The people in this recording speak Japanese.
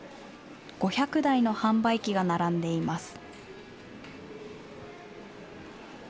５００台の販売機が並んでいます。